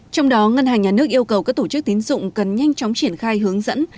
trong đó ngân hàng nhà nước yêu cầu các tổ chức tín dụng cần nhanh chóng triển khai hướng dẫn